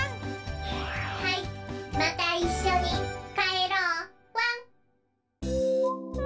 はいまたいっしょにかえろうワン！